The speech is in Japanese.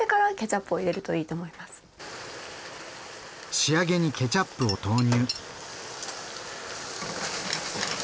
仕上げにケチャップを投入。